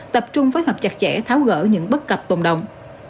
tập trung phối hợp chặt chẽ tháo gỡ những bất cập tồn động